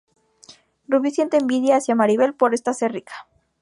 Rubí siente envidia hacia Maribel por esta ser rica.